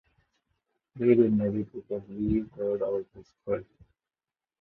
We'll maybe put a wee word out for her.